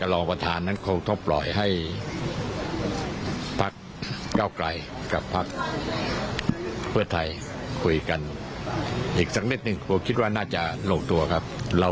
ลองฟังครับ